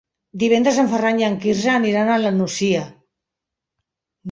Divendres en Ferran i en Quirze aniran a la Nucia.